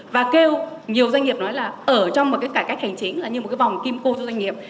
và kêu nhiều doanh nghiệp nói là ở trong một cái cải cách hành chính là như một cái vòng kim cô cho doanh nghiệp